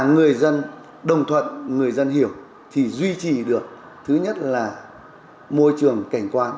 người dân đồng thuận người dân hiểu thì duy trì được thứ nhất là môi trường cảnh quan